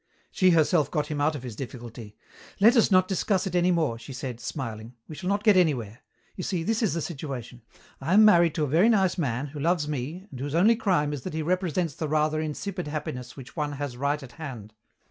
She herself got him out of his difficulty. "Let us not discuss it any more," she said, smiling, "we shall not get anywhere. You see, this is the situation: I am married to a very nice man who loves me and whose only crime is that he represents the rather insipid happiness which one has right at hand.